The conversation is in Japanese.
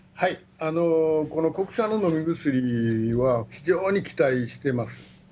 この国産の飲み薬は非常に期待してます。